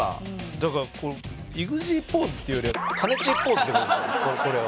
だからイグジーポーズっていうよりはかねちーポーズって事ですよこれは。